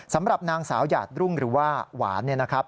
สำหรับนางสาวหยาดรุ่งหรือว่าหวานเนี่ยนะครับ